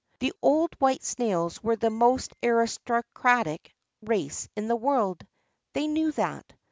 The old white snails were the most aristocratic race in the world—they knew that.